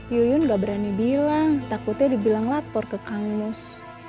yuyun gak berani bilang takutnya dibilang lapor ke kamus